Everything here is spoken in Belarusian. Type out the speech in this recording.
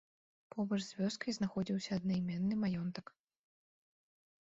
Побач з вёскай знаходзіўся аднайменны маёнтак.